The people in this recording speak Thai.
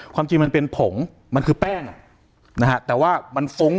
ความจริงมันเป็นผงมันคือแป้งนะฮะแต่ว่ามันฟุ้ง